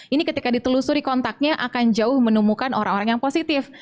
ini ketika ditelusuri kontaknya akan jauh menemukan orang orang yang positif